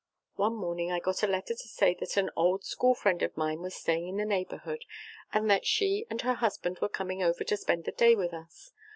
One morning I got a letter to say that an old school friend of mine was staying in the neighbourhood, and that she and her husband were coming over to spend the day with us.